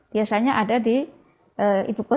biasanya ada di ibukunan